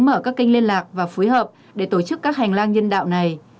mở các kênh liên lạc và phối hợp để tổ chức các hành lang nhân đạo này